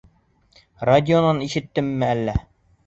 Радионан ишеттемме әллә?